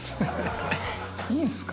「いいんすか？」。